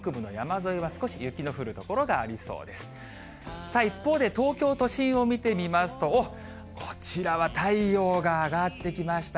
さあ、一方で東京都心を見てみますと、おっ、こちらは太陽が上がってきました。